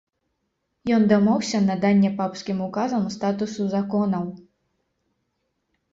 Ён дамогся надання папскім ўказам статусу законаў.